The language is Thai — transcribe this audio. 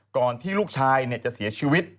ก่อนที่ลูกชายจะเสียชีวิต